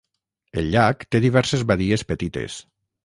El llac té diverses badies petites.